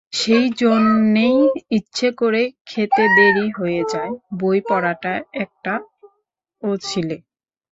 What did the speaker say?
সেইজন্যেই ইচ্ছে করে খেতে দেরি হয়ে যায়, বই পড়াটা একটা অছিলে।